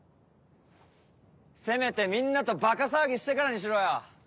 せめてみんなとバカ騒ぎしてからにしろよ。